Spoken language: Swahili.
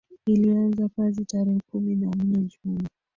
ilianza kazi tarehe kumi na nne juni